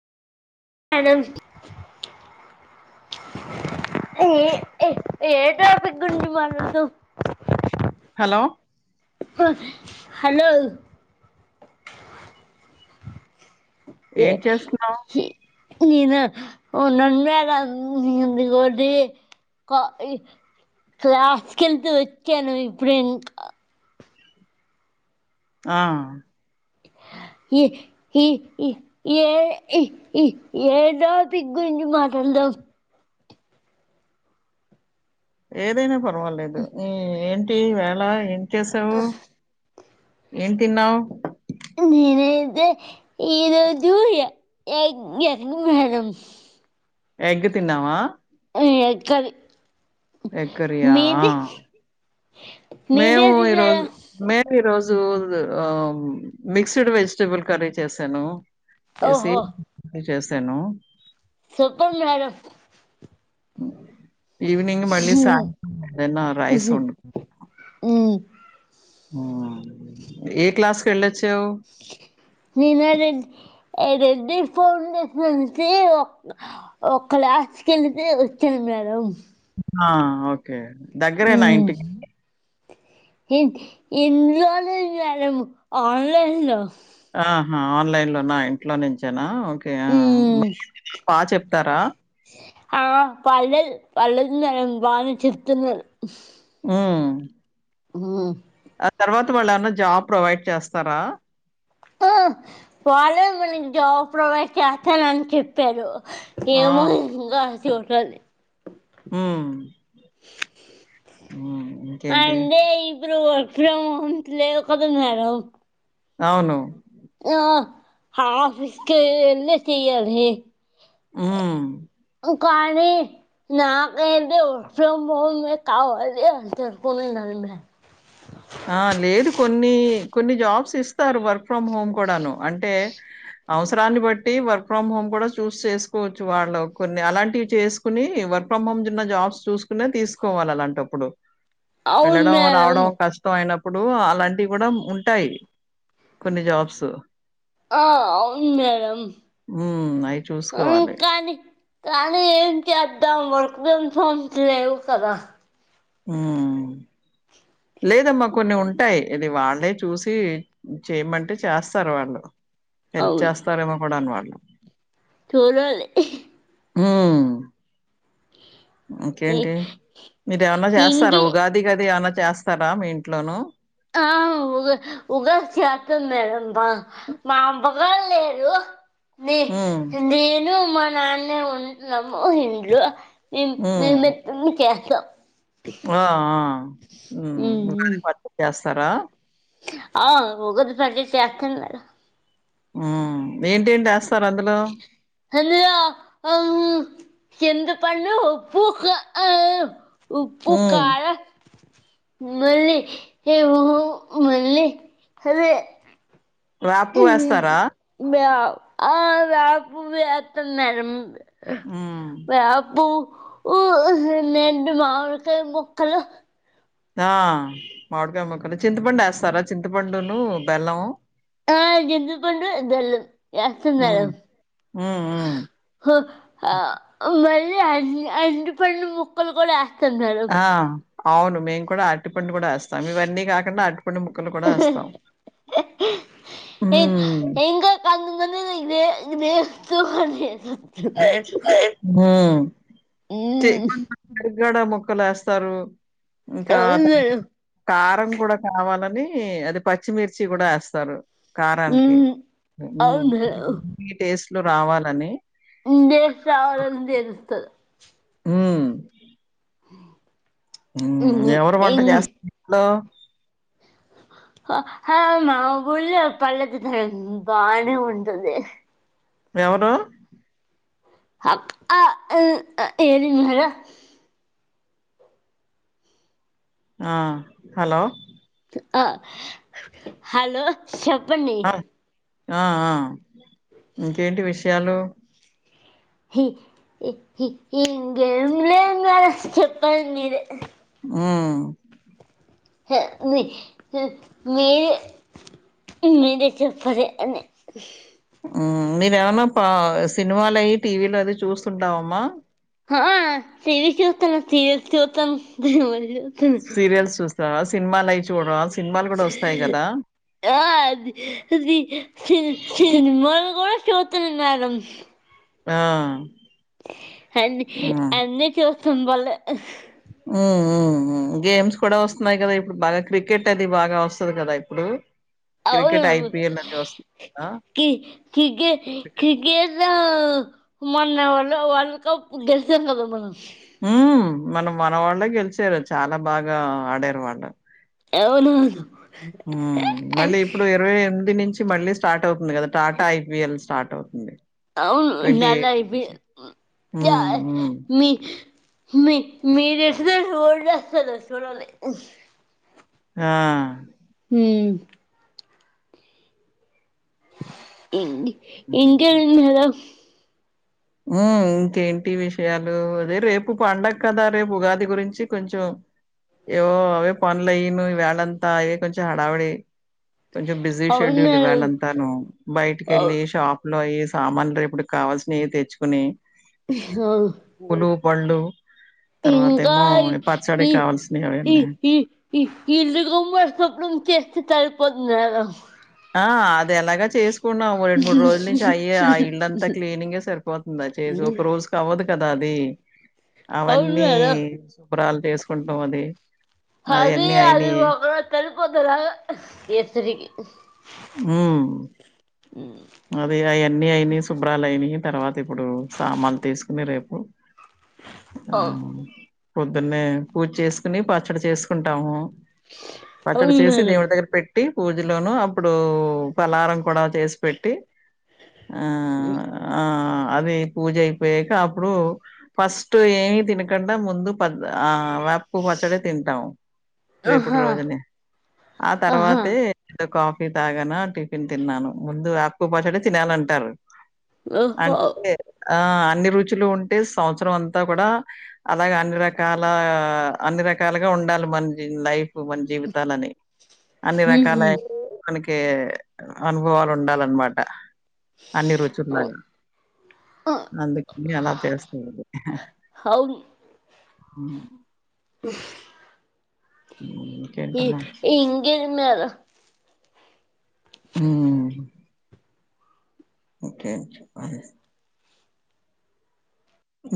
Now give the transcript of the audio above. Madam. ఏ ఏ ఏ టాపిక్ గురించి మాట్లాడ్తవ్ హలో హలో! ఏ ఏం చేస్తున్నావ్ ఈ నేను [unintelligible] క్లాస్కెళ్తే వచ్చాను ఇప్పుడే ఇంకా ఆ ఇ ఏ ఈ ఈ ఏ ఈ ఈ ఏ టాపిక్ గురించి మా దాం. ఏదైనా పర్వాలేదు. ఈ ఏంటి వేళ ఏం చేసావ్ ఏం తిన్నావ్ నేనైతే ఈరోజు ఎ ఎగ్ మేడం. ఎగ్ తిన్నావా. ఎగ్ కర్రీ ఎగ్కర్రీయా మీది మేము ఏది ఈరోజు మేడం మేం ఈ రోజ్ జు మిక్స్డ్ వెజిటబుల్ కర్రీ చేశాను. చేసి ఓహో చేసాను. Super madam. ఈవెనింగ్ మళ్ళీ [unintelligible] ఏదన్న రైస్ ఉం ఆ ఏ క్లాస్ కెలచ్ మీనా రెడ్ ఏ రెడ్డి ఫౌండేషన్ వచ్చి ఒక్ ఒక క్లాస్కెల్తే వచ్చాను మేడం. ఆ ఓకే దగ్గరేనా ఇంటి ఏంటి ఇంట్లోనే మేడం ఆన్లైన్లో ఆహా ఆన్లైన్లోనా ఇంట్లో నుంచేనా ఓకే ఆ బా చెప్తారా? ఆ పర్లేదు పర్లేదు మేడం బానే చెప్తున్నారు. మ్ ఆ ఆ ఆ ఆ ఆ తర్వాత వాల్లేమన్నా జాబ్ ప్రొవైడ్ చేస్తారా? ఆ వాళ్ళే మనక్ జాబ్ ప్రొవైడ్ చేస్తానని చెప్పారు. ఆ! ఏమో ఇంకా చూడాలి. హ్మ్. హ్మ్. ఇంకేంటి? అంటే ఇప్పుడు [unintelligible] లేవ్ కదా మేడం. అవును. ఆ ఆఫీస్కెళ్ళి తీయాలి. మ్ కానీ నాక్ అయితే వర్క్ ఫ్రమ్ హోమ్ ఏ కావాలె [unintelligible] [inaudible] ఆ లేదు కొన్ని కొన్ని జాబ్స్ ఇస్తారు. వర్క్ ఫ్రం హోమ్ కూడాను అంటే అవసరాన్ని బట్టి వర్క్ ఫ్రమ్ హోమ్ కూడా చూస్ చేసుకోవచ్చు వాళ్ళ కొన్ని అలాంటివి చేసుకుని వర్క్ ఫ్రమ్ ఉన్న జాబ్స్ చూసుకునే తీసుకోవాలి అలాంటప్పుడు అవును వెళ్ళడం మేడం రావడం కష్ టం అయినప్పుడు అలాంటివి కూడ ఉంటాయి కొన్ని జాబ్స్ ఆ అవును మేడం హ్మ్. అయి ఉ చూసుకోవాలి. కానీ కానీ ఏం చేద్దాం వర్క్ ఫ్రమ్ హోమ్స్ లేవు కదా. మ్ లేదమ్మా కొన్ని ఉంటాయి. ఇది వాళ్ళే చూసి చేయమంటే చేస్తారు వాళ్ళు హెల్ప్ చేస్తారేమో కూడా అన్ వాల్ చూడాలీ ఇహి హ్మ్ ఇ- ఇంకేంటి మీర ఏమన్నా చేస్తరా ఇంకే ఉగాది గద ఏమన్న చేస్తార మీ ఇంట్లోను ఆ ఉగా ఉగాది ఎవ్వరేలేరు నీ హ్మ్. నీ నేను మా నాన్నే ఉంటున్నాము ఇంట్లో మే [unintelligible] చ్చ అ ఆ హ్మ్ ఉమ్ ఉగాది పచ్చడి చేస్తరా అ ఉగాది పచ్చడి చేస్తాను కదా హ్మ్ ఇంటెంట్ యస్ అందులో హ్మ్ చింత్ పండు ఉప్పు క అ ఉప్పు హ్మ్. కారం మల్లీ ఏ [unintelligible] మల్లీ అదే వేప ఉహ్మ్ పువ్వేస్తారా? బా ఆ వ్యాపుూ వెతున్నార్ హ్మ్. వ్యాపూ ఊ రెండు మామిడికాయ ముక్కలు ఆ మామిడికాయ ముక్కలు చింతపండు యస్తరా చింతపండును బెల్లము ఆ చింత పండు బెల్లం ఎస్తున్నారు హ్మ్. హ్మ్. హ్మ్. ఆహ్ ఆ మరి అ ఆర్టీపండు ముక్కలు కూడ యస్ ఆ అవును మేం కూడ ఆర్టీ అ పండి కూడా వేస్తాం ఇవన్నీ కాకుండా అరటిపండు ముక్కలు కూడ ఎస్థమ్ ఏ ఎ ఎం ఎంగ కాదుందనే ఇదే ఇది సుహ [unintelligible] హ్మ్ మ్మ్ యాడ ముక్కలు వేస్తారు ఇంకా అవును మేడం కార్ కరం కూడ కావాలని అది పచ్చిమిర్చి కూడ యాస్తరు కారానికి మ్మ్ హ్మ్ అవును అన్ని టేస్ట్లు రావాలని దే ఇస్తర న్ తెస్త హ్మ్ హ్మ్ హ్మ్ ఎవరు వంట చేస్త నట్టు ఉహ ఆ హ్ అవునా ఊర్లో పళ్ళు ద న బానే ఉంటది ఎవరూ అక్ ఆ ఈ అ ఏంతిన్నారు హ్మ్ హలో ఆ హలో చెప్పండి ఆ! ఆ ఆ ఇంకేంటి విషయాలు హి ఈ హి ఇంకేం లేడ్ చెప్పాల్ మీరే హ్మ్మ్ హ ని హ మీ మీరే చెపరే అనీ హ్మ్ మీరేమనా ప సినిమాలయి టీవీలో అది చూస్తుంటావమ్మా హ ఆ సిరిస్ చూస్తున్న సీరియల్ చూద్దాం దాని బదులు సీరియల్స్ చూస్తావ సినిమాలై చూడవ ఆది సినిమాలు గూడ చూతన్ మేడమ్ ఆ అన్ని అన్ని చూస్తాం బలే మ్ మ్ మ్ గేమ్స్ కూడ వస్తున్నాయి కదా ఇప్పుడు బాగా క్రికెట్ అది బాగా వస్తది కదా ఇప్పుడు అవును క్రికెట్ ఐపీఎల్ అది ఒస్తుంది కదా! కి కి క్రికెట్ [unintelligible] మొన్న వల్ వరల్డ్ కప్ గెలిచాం కదా మనం మ్ మనం మన వాళ్ళే గెలిచారు. చాలా బాగా ఆడారు వాళ్ళు అవునా మ్ మళ్ళీ ఇప్పుడు ఇరవై ఎన్ ది నుంచి మళ్ళీ స్టార్ట్ అవుతుంది కదా టాటా ఐపీఎల్ స్టార్ట్ అవుతుంది. అవును టాటా నుంచి. ఐపిఎల్ యా హ్మ్. హ్మ్. మీ మీ మీరే [unintelligible] చూడాలి ఆ... హ్మ్ ఇన్ ఇంకా ఏంటి హలో మ్ ఇంకేంటి విషయాలు అదే రేపు పండగ కదా రేపు ఉగాది గురించి కొంచెం ఏవో అవే పనులయిను ఈ వేళంతా ఇవి కొంచెం హడావిడి కొంచం బిజీ అవును షెడ్యూల్ మేడం ఇవ్వాలంతాను బయటికెళ్ళి షాప్లో అయి సామాన్ రేపటిక్ కావల్సినయి తెచ్చుకుని ఆ పూలు, పళ్ళు ఇంకా తర్వాతేమో ఇ పచ్చడికి కావాల్సినయి ఈ అవన్నీ. ఇ-ఇ-ఇ ఇల్లుమ్మ స్వప్నం చేస్తే సరిపోతుంది కదా ఆ అది ఎలాగా చేస్కున్నాము రెండ్ మూడ్ రోజుల్ నుంచి అయే ఆ ఇళ్లంతా క్లీనింగే సరిపోతుంది. చేసే ఒక రోజుక్ అవ్వద్ కదా అది అవును అవన్నీ మేడం శుభ్రాలు చేస్కుంటాం అది అది అయన్నీ అది అయినియి. ఒక రోజు సరిపోతదా హ్మ్. అది అయన్నీ అయినయి శుభ్రాల్ అయినయి తర్వాత ఇప్పుడు సామాన్ తీస్కుని రేపు ఆ పొద్దున్నే పూజ్ చేస్కుని పచ్చడ చేస్కుంటాము. పచ్చడ అవును చేసి మేడం దేవుడ్ దగ్గర పెట్టి పూజలోను అప్పుడు ఫలారం కూడా చేస్ పెట్టి ఆ ఆ అది పూజ అయిపోయాక అప్పుడు ఫస్ట్ ఏమి తినకుండా ముందు ప ఆ వేప్పు పచ్చడే తింటాం. రేపుటి ఆహా రోజునే ఆ ఆహా తర్వాతే ఏదో కా ఫీ తాగన టిఫిన్ తిన్నాను. ముందు వేప పు పచ్చడే తినాలంటారు. ఓహో అంటే ఆ అన్ని రుచులు ఉంటే సంవత్సరం అంతా కూడా అలాగ అన్ని రకాల అన్ని రకాలుగా ఉండాలి మన జీ లైఫ్ మన జీవితాలని అన్ని రకాలై మనకి కీ అనుభవాల్ ఉండాలన్నమాట అన్ని రుచుల్లాగా అందుకని అలా చేస్తారు. హ హ్ హ్మ్. ఇ ఇంకేంటమ్మా? ఇంకేం మేడం. మ్ ఓకే చెప్పాలి.